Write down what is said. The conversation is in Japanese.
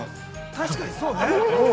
◆確かにそうね。